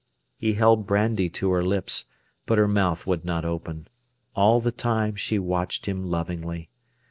He held brandy to her lips, but her mouth would not open. All the time she watched him lovingly.